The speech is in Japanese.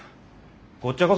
こっちゃこそ。